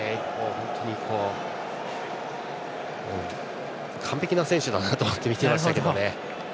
本当に完璧な選手だなと思って見ていました。